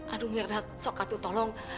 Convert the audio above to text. aduh miara sokatu tolong